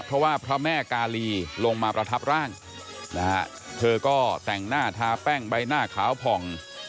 เพราะว่าพระแม่กาลีลงมาประทับร่างนะฮะเธอก็แต่งหน้าทาแป้งใบหน้าขาวผ่อง